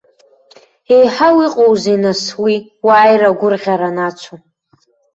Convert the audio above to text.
Еиҳау иҟоузеи, нас, уи, уааира агәырӷьара анацу.